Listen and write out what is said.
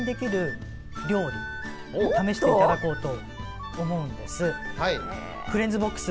試して頂こうと思うんです。